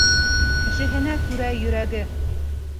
Кешеһенә күрә йөрәге.